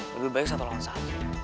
lebih baik satu lawan satu